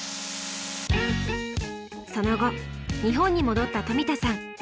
その後日本に戻った冨田さん。